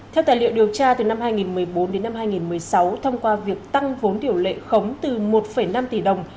theo tài liệu điều tra từ năm hai nghìn một mươi bốn đến năm hai nghìn một mươi sáu thông qua việc tăng vốn điều lệ khống từ một năm tỷ đồng